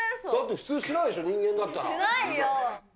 普通しないでしょ、人間だっしないよ。